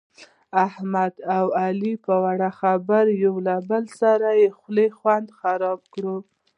احمد اوعلي په وړه خبره یو له بل سره د خولې خوند خراب کړ.